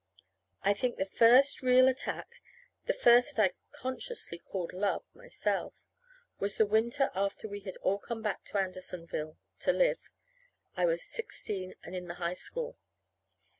I think the first real attack the first that I consciously called love, myself was the winter after we had all come back to Andersonville to live. I was sixteen and in the high school.